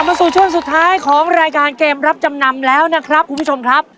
มาสู่ช่วงสุดท้ายของรายการเกมรับจำนำแล้วนะครับคุณผู้ชมครับ